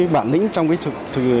bản lĩnh trong đối mặt thực hiện nhiệm vụ